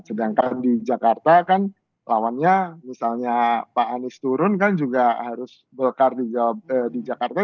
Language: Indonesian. sedangkan di jakarta kan lawannya misalnya pak anies turun kan juga harus golkar di jakarta